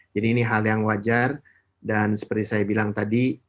jadi ini hal yang wajar dan seperti saya bilang tadi